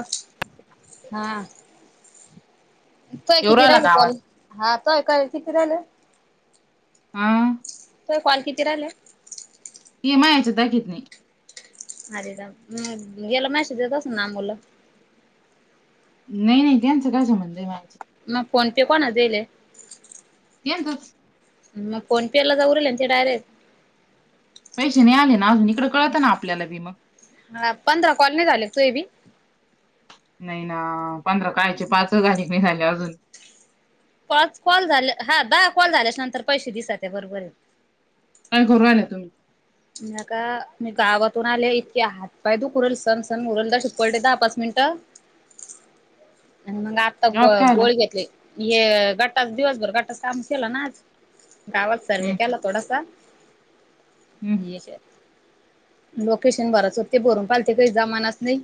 तूय येऊ किती राहिला राहिल का आवाज कॉल. हा तोय काय किती राहिले. ''हं'' तुझे कॉल किती राहिल्यात. एम आयच्या दा कित नाही. अरे जाऊदे गेला मशी देतस ना मुलं. नाही नाही त्यांचं काय संबंध आहे मायाशी. मग फोन पे कोणा देले. यांचाच. मग फोन पे ला जाऊ राहिले ते डारक्ट. पैसे नाही आले ना अजून इकडं कळतं ना आपल्याला बी मग. हा पंधरा कॉलनी झाले तू बी. नाही ना पंधरा काळचे पाच अधिक नाही झाले अजून. पाच कॉल झाले हा दहा कॉल झाल्या नंतर पैसे दिसत बरोबर. काय करुर ना राहिला तुम्ही. नका मी गावातून आले इतके हात पाय दुखून सण सण उरल तर ठिपलते दहा पाच मिनिटं. आणि मग आत्ता ग गावात काय - आला गोळीघेतले हे गटच दिवसभर गटात काम केलं ना आज गावाात. सर्वे हम्म, काला तथोडासा हम्म, येतात. लोकेशन भरच होते भरून पालते काही जमानाच नाही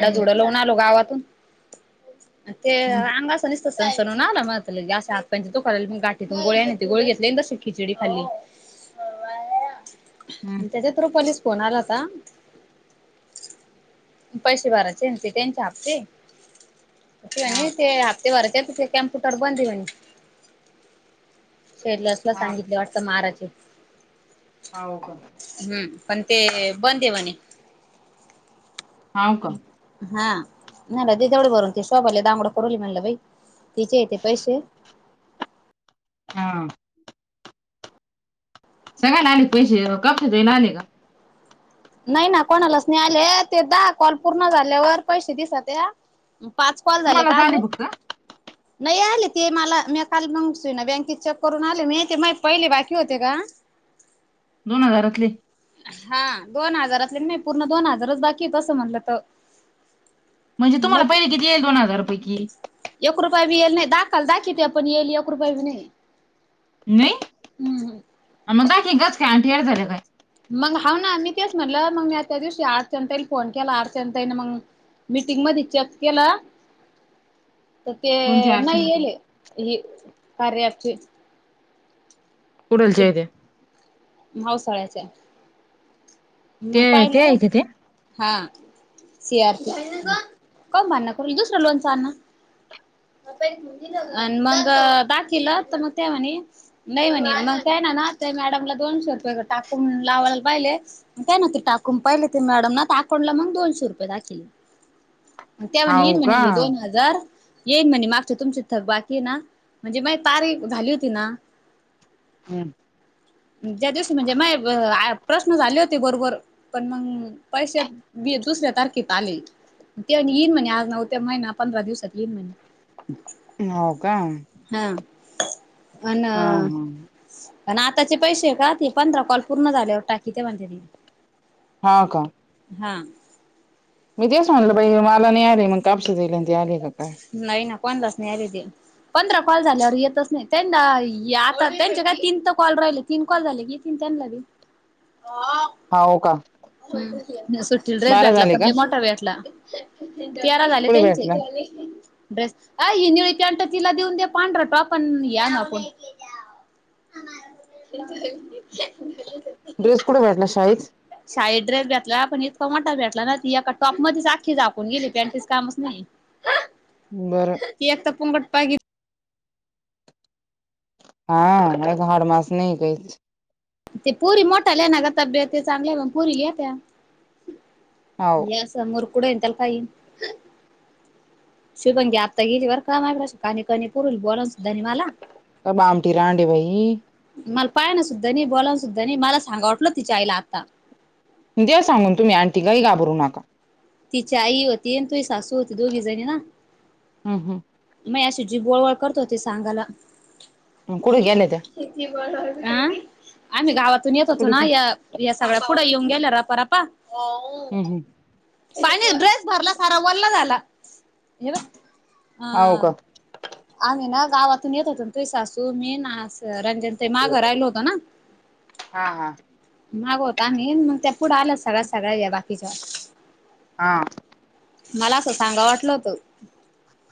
हम्म, वत ''--'' तिथं आलो गावातून आणि ते हम्म, अंगासनस्थ. सरसरून आलं मग लगे आसा हात पाय दुखायला लागले गाठीतून गोळ्या नाही ते गोळी घेतलास खिचडी खाली. हम्म. त्याच्या थ्रू कॉलेज. कोणाला सांग पैसे भरायचे ना त्यांच्या हप्ते. ते हा, नाही ते हप्ते भरच्या तिथे कम्प्युटर बंद हाय म्हणे. शेलसला हा, सांगितले वाटतं महाराचे. हाव का. हम्म पण ते बंद आहे म्हणे हाव का ह. हा मला ते तेवढे भरून ते शोभाले दांगड करवली म्हणलं बाई तिचे येते पैशे. हा. सगळ नाणे पैसे कपेतो नाणे का [unintelligible] नाही ना कोणालाच नाही आले ते दहा कॉल पूर्ण झाल्यावर पैसे दिसत्या पाच कॉल झाले तुम्हालाच का आले अजून? फक्त नाही आले ते मला मी काल मग श [unintelligible] ना बँकेत चेक करून आले मी ते माये पहिले बाकी होते का. [inaudible] दोन हजारातले. हा दोन हजारातले नाही पूर्ण दोन हजारच बाकी आहे तसं म्हणलं त. म्हणजे तुम्हाला पहिले किती येल दोन हजार पैकी? एक रुपया बी येईल नाही दाखल- दाखिते पण येईल एक रुपय बी नाही. नही, हम्म मग दाक गच काय आंटी एरझाऱ्या काय [unintelligible] मग हाव ना, मी तेच म्हटलं मग मी त्या दिवशी आर्चनाताईला फोन केला आर्चनाताईन मग मीटिंगमध्ये चेक केल. तर कोणती ते अडचण नाही येले हि कार्या ॲपचे. कूडलच्यायत्या? म्हावसाळ्याच्या. ते मग ते पाहिलं आहे का ते? हा शियार हम्म काऊन भांनं करूल दुसर लोनच आणा. आण मग दाखिवल होत मग तेव्हानी. [unintelligible] नाही म्हणे [inaudible] मग तेयनाना ते मॅडमला दोनशे रुपये टाकून लावायला पाहिले. काय ना ते टाकून पाहिले ते मॅडमना त अकाऊंटला मग दोनशे रुपये दाखिले. म त्या म्हणे हाव येईन म्हणे का ये दोन हजार. येईन म्हणे मागच्या तुमची थक बाकी ना म्हणजे माय तारिख झाली होती ना. हां [unintelligible] ज्या दिवशी म्हणजे माय-आ प्रश्न झाले हो ते बरोबर पण मग पैशे बी दुसऱ्या तारखेेत आले. तेन येईन म्हणे आज ना उत्या महिना पंधरा दिवसात येईन म्हणे. हम्म हाव का? हा हा हा अन्... पण आताचे पैशे का ते पंधरा कॉल पूर्ण झालेवर टाकीते म्हणतेती. हा का? हा. मी तेच म्हणलं बाई हे मला नाही आ रे मग. कापशि दिले आणि ते आले का काय. नाही ना कोणलाच नाही आले ते. पंधरा कॉल झाल्यावर येतच नाही, [inaudible] त्यांना आता त्यांचे काय तीन तर कॉल राहिले तीन कॉल झाले की ये तिंत [unintelligible] [inaudible] हाव का? हम्म, [inaudible] सुट्टीला ड्रेस बारा भेटला झाले पण का लय मोठा भेटला. [inaudible] तेरा झाले कुठे त्यांचे. भेटला ड्रेस, अय ही निळी पॅंट तिला देऊन दे पांढरा टाॅप आन् या ना कोण [unintelligible] ड्रेस कोड भटला शाळेच शाळेत ड्रेस भेटला. पण इतका मोठा भेटला ना, ती एका टॉप मध्येच आखी झाकून गेली. पॅंटीच कामच नाही. [unintelligible] बरं. ती आता पोंगट पागी हा [unintelligible] मास नाही, कायीच. ते पुरी मोठाल्या ना ग. तब्येत ते चांगल्या. मग पुरी ल्यात्या. हाव [unintelligible] स. मरकूडएन अन, त्याला काय येईल? शुभांगी आता गेली बर काय [unintelligible] काणी काणी पुर बोलान सुद्धा नाही मला. बामठी रांडय बाई ही. मला पाय ना सुद्धानी. बोलाव सुद्धानी. मला सांगा वाटलं. तिच्या आईला आता. द्या सांगून तुम्ही. आण तीलाही घाबरू नका. तिची आई होती. आणि तू सासू होती. दोघीजणी ना. हम, हं. माजी अशी, जीभ वळवळ करत होती, सांगायला. अन कुठ गेल्या त्या? जीभ वळवळ करत होती. अं. आम्ही गावातून येत होतो कुठे ना. गे या या सगळ्या पुढ येऊन गेल्या, रपारपा. हम्म हम्म पानेत ड्रेस भरला सारा. वल्ला झाला. हे बघ. हाव हा. का आम्ही ना गावातून येत होतो ना, तुही सासू, मी न अस रंग ते माघ राहिलो होते ना. हा हा माग होतो आम्ही. न मग त्या पुढे आल सगळ्या- सगळ्या, या बाकीच्या. हा. मला असं, सांगा वाटलं होतं.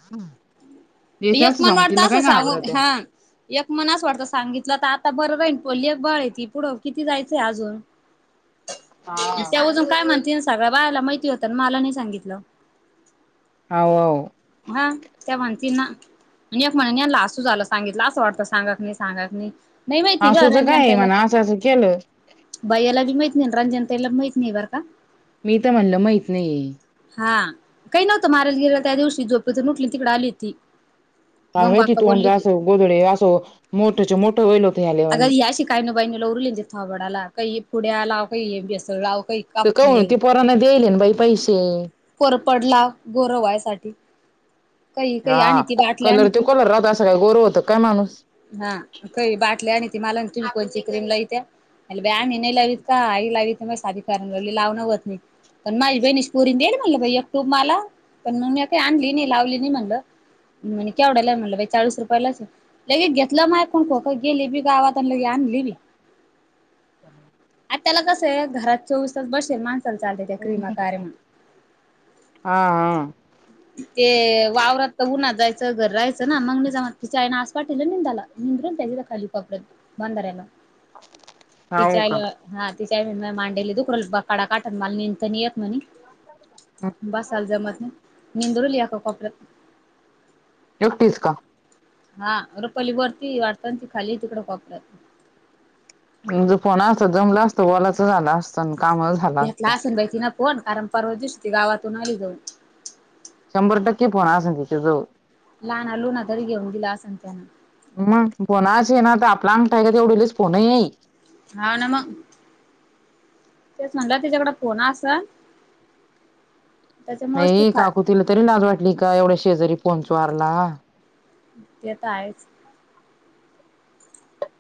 हा. यक मन वाटत अस सांगू. घाबरत्या हा. एक मन आस वाटतं, सांगितलं तर आता बरं राहील. प लेक बाळय ती. पुढं किती जायचंय अजून. हा त्या अजून काय म्हणतीन, सगळ्या बायाला माहीती होत न मला नाही सांगितलं. हा आव. हा त्या मनतील ना? आणि एक म्हणे यानला झाला सांगितलं. अस वाटतं, सांगा की नी, सांगा की नी. नाही माहिती ग, आसूचं काय आहे रांजाणतायला. म्हणा असं असं केलं भयालाबी माहत नाही, न रंजनताईला बी माहत नाही, बर का? मी तर म्हणलं, माहीत नाही. हा. काही नव्हतं. माराला गिरीला, त्या दिवशी. झोपेतून उटली न तिकडे आली होती. काय गंगू माहिती. अक्का तोंड बोलली होती असं, गोदडे असं मोठ्च्या मोठं व्हायल होतं. ह्या अग, लेवानी या अशि कायनो बाईन लवू राहिली न थोबाडाला. काही पुड्या लाव. काही ए बेसल लाव. काही तर काप काऊन, ते पोरांना दे्याईल ना, बाई पैसे. कोरफड लाव, गोरं व्हायसाठी. काही काही हा, आणि ती बाटली आणि कलर तो ती कलर राहत, असं काय, गोर होतं काय, माणूस? हा, खही बाटल्या आणि ती मला ना, तुम्ही कोणती क्रीम लावीत्या्या. मनलं बाई आम्ही नाही लावीत काई, लावीत नाही. साधी फेरेण लावली लावन होत नाही. पण माझी बहिणीस पोरीन दिली म्हटलं बाई एक टूब मला. पण मग मी काही आणली नाही, लावली नाही म्हणलं. म्हनी केवढ्यालाय? म्हटलं बाई चाळीस रुपयाला. लगेच घेतलं मायाकुण खोक. गेली बी गावात न, लगे आणली बी. हा. आता त्याला कसं आहे घरात. चोवीस तास बसेल माणसाला चालतंय, त्या क्रिमा कार्यमा, हा ते वावरात तर उन्हात जायचं, घर राहाचं ना मागने जाऊन तिच्या आईन, आस पाठवलं निंदाला निंदरून त्यांनी खाली पापडात, बांधाराला हा हो तिच्या का आईला हा, तिची आई म्हणणार मांडी लय दुखुन राहिल्यात कडा काटण मला निंत नाही येत म्हणे. बसायला जमत नाही, निदुरली एका कोपऱ्यात. एकटीच का? हा रुपाली वरती आहे वाटत ना ती खाली आहे तिकड कोपऱ्यात म्हणजे फोन असत जमलं असतं, वॉलाच झालं असतं कामा घेतला असेल बाई तिन फोन, कारण परवा दिवशी ती गावातून आली जाऊन. शंभर टक्के फोन असेल तिच्या जवळ लाना लुना तरी घेऊन दिला असंल त्यांन मग फोन अशे आहे ना आता आपला अंगठा घेईल एवढेलेच फोन आहे. हाव ना मग. तेच म्हटलं त्याच्याकडं फोन असल ती नाही, खा काकू तिला तरी लाज वाटली का, एवढ्या शेजारी फोन चोरला. ते तर आहेच.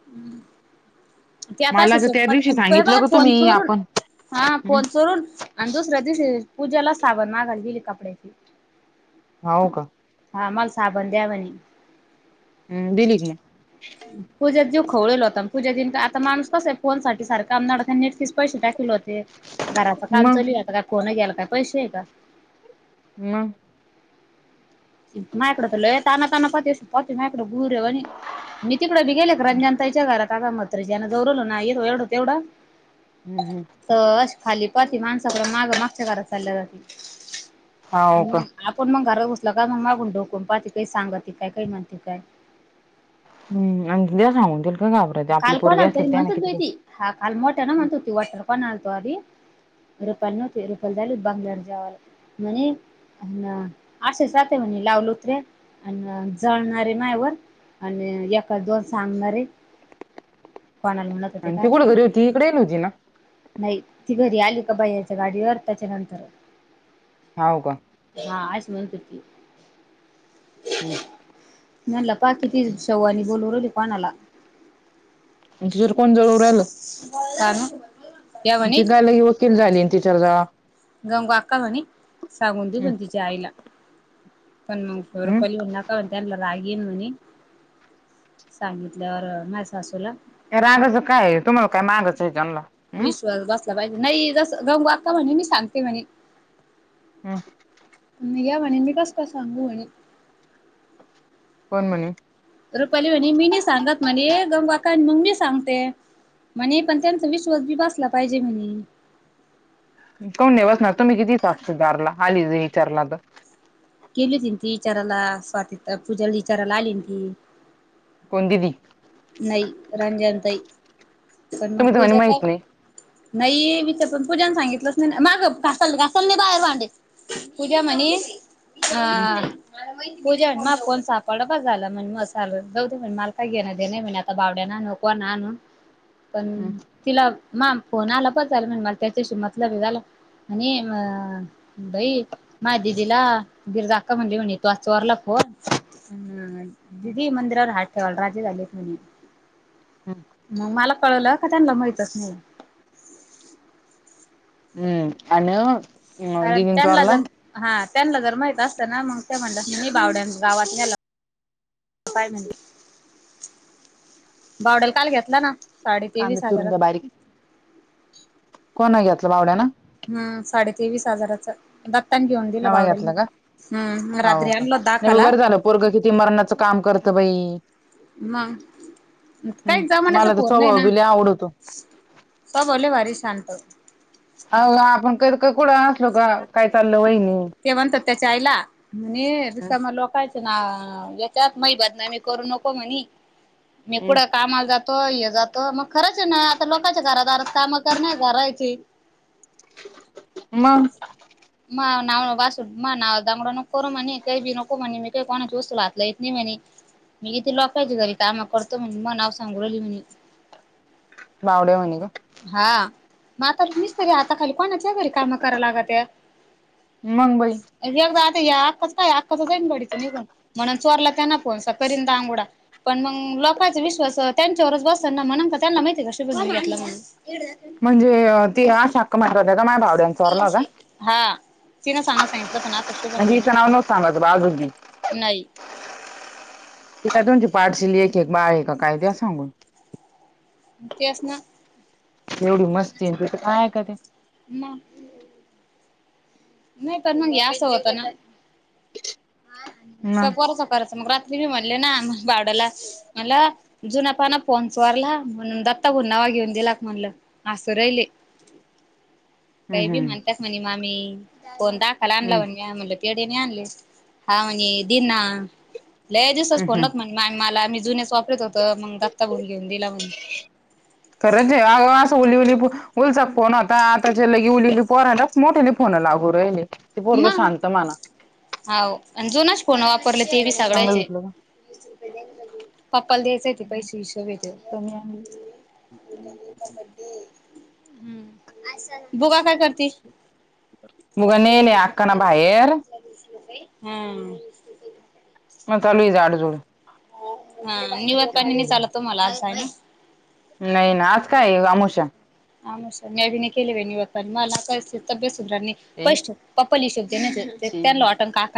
हम्म ती आता मला अशी तर त्या दिवशी स्वप्नात सांगितलं आहे ग फोन तुम्ही चोरून आपण हा हं. फोन चोरून. आणि दुसऱ्या दिवशी, पूजाला साबन मागायला गेली कपड्याची. हाव का. हा, मला साबण द्या म्हणे. हम, दिली की. पूज्याचा जीव खवळीवला होता, पूजा दिल का आता, माणुस कस आहे फोन साठी सारख नडखा नेटपिस पैसे टाकीले होते, घराच काम मग चालू आहे आता, काय फोन घ्यायला काय पैसे आहे का? मग मायाकडं तर लय ताना ताना पाहते, अशी पाहते मायाकडे गुरेवानी. मी तिकडं बी गेले हम्म, रमजान ताईच्या घरात काका मात्र ज्यांना जोडलं ना येत एवढं तेवढ. हम्म हम्म तर खाली पाहते माणसाकडं माग मागच्या घरात चालल्या जातील हो आणि का आपण मग घरात बसलो का मग मागून डोकूण पाहते काही सांगते काय काही म्हणते काय. हम्म आणि त्या सांगून तील काऐ घाबरायचय आपली काल पोरगी कोणाला असली तरी त्या ना म्हणतात बाई किती. ती हा काल मोठ्यान म्हणत हुती, वटर पणलतो आधी. रुपाली नव्हती रुपाली झाली बंगल्यावर जेवायला म्हणे अन् अशेच जाते म्हणे लावलं तरी अन् जळणारे मायावर आणि एकाच दोन सांगणारे [unintelligible] आणि ती कुठ घरी होती इकडे येईल होती ना. नाही ती घरी आली का भैय्याच्या गाडीवर त्याच्यानंतर. हाव का. हा अशी म्हणत हुती. हम्म म्हणलं पाकी ती शव आणि बोलू राहिली कानाला. तिच्यावर कोण जळून राहिलं का न या मग म्हणे तेे गायलायुवत. चुक झाली तिच्यावर जळायला. गंगु आक्का म्हणे सांगून दिल ना तिच्या आईला पण मग हम्म रूपाली हे ना. तर त्यानला राग येन म्हणे सांगितल्यावर माझ्या सासूला. या रागाच काय आहे. तुम्हाला काय मारायचं त्यांनला विश्वास बसला पाहिजे नाही जस गंगु आक्का म्हणे मी सांगते म्हणे. हम्. मी काय म्हणे मी कस काय सांगू म्हणे. कोण म्हणे. रुपाली म्हणे मी नाही सांगत म्हणे गंगु आक्का आणि मम्मी आणि सांगते. म्हणे पण त्यांचा विश्वास बी बसला पाहिजे म्हणे. कोण नाही बसणार. तुम्ही किती साक्षीदारला आली च इचारला तर गेली होती ती इचाराला स्वातीत पूजाला इचाराला आली होती. कोण दीदी. नाही रंजनताई पण मग तुम्ही तर म्हणे पूजा काय माहित नाही नाही विषय पण पूजान सांगितलंच नाही मागं घासाल घासाल नाही पाहिजे भांडे. पूजा म्हणे हं, हा. पूजा आणि महा फोन सापडा बस झाल म्हण मसाल जाऊ म्हण मला काय घेण आहे. ते नाही म्हणे आता बावड्या ना नको ना आनू पण हं, तिला मा फोन आला बस झालं म्हण मला त्याच्याशी मतलब आहे झाल आणि अ बाई माया दिदीला गिरजा अक्का म्हणली म्हने तू आ चोरला फोन अ आ दिदीही मंदिरावर हात ठेवायला राजी झालेत म्हने. हम्. मग मला कळलं का त्यांना माहितच नाही. हम्म आणि ओ. कारण त्यांला जर हा त्यांला जर माहित असत ना मग ते म्हणले अस ने बावड्यां गावात न्याला. काय म्हने बावड्याला काल घेतला ना. साडे कांदा तेवीस चिरून हजारात कोना घेतलं बावड्या न. हम् साडे तेवीस हजाराचा. दत्तानी घेऊन दिलं नवा घेतला बावडेली का हम म रात्री आणल होत दाखाला. पोरगं किती मरणाचं काम करतं बाई. मग हम् काही जमान्याचा मला तर फोन नाही स्वभाव ना भि लई आवडतो. स्वभाव लई भारी शांत. अहो आपण पुढ असलो काय चाललं वहीनी. ते म्हणतात त्याच्या आईला. म्हणे समोर लोकयच्या ना याच्यात मही बदनामी करू नको म्हणी. मी कुड कामाला जात तो हे जातो मग खरंच आहे ना आता लोकांच्या घरा दरात कामं कर नाही धरायची. मग माळ. नाव वासू महा ना दमड नको करू म्हणे काही बी नको म्हणे मी काही कोणाच वस्तू ला हात लावीत नाही म्हणे. मी इथे लोकायच्या घरी काम करतो. म्हने महना सांगू राहिली म्हणे. बावडया म्हणे ग. हा मग आता मिस्तरी हाता खाली कोणाच्या ही घरी काम कराव लागत्या. मंग बई. एकदा आता या आक्काचं काय आक्काचं जाईन बॉडीच निघून म्हणन चोरला त्यांन फोन त करिन दानगोडा. पण मग लोकांचा विश्वास त्यांच्यावरच बसल ना म्हण का त्यांना माहिती आहे कशी बजून घेतलं म्हणून ह [unintelligible] म्हणजे ती आशा आक्का म्हणत होत्या का माया भावड्याने चोरला होता. हा तिनं सांगा सांगितलं होत ना असं म्हणजे हीच शुभंगीनं नाव नव्हतं सांगायचं बा आजूक बी नाही [unintelligible] पाठशी एक एक बाळ का काय दया सांगून तेच ना एवढी मस् हा काय म नाही तर मग हे असं होत ना मग हम्म [unintelligible] करायच मग रात्री मी म्हणले ना भावड्याला म्हणलं जुनापाना फोन चोरला म्हणून दत्ताभाऊंन नवा घेऊन दिला का म्हणलं [unintelligible] काही बी हम्म म्हणत्यात म्हणे मामी फोन दा... खवाला आणला हम्म म्हणे आ म्हणलं पेढे नाही आणले हा म्हणे देईन ना लय दिवसाचं हं फोन हं नव्हता म्हणे मामी मला मी जुनेच वापरीत होतो मग दत्ताभाऊनी घेऊन दिला म्हणी खरंच ये आओ असं उली उली [unintelligible] उलिसक फोन होता आताच्याला इवली इवली पोरालाच मोठाले फोन लागू राहिले ते पोरगं मग शांत म्हणा हाव अन् जुनाच फोन वाप.. परले ते बी चांगलं सगळ्यायचे झोपलं का पप्पाला द्यायचंय ते पैशे हिशोब ये ते कमी आले [unintelligible] अजून किती पाहिजे हम्म असं ना बोगा काय करती मुग नेले अक्काना बाहेर [unintelligible] हम्म म चालूये झाडझूड हा निवद पाणी नही चालत ओ मला असं आणि नाही ना आज काय आमोशा आमोशा म्या बी नही केले निवदपाणी मला काय तब्येत सुधारानी ए, पष्ट पप्पा हिशोब दे नही तर शी. त्यांला वाटल का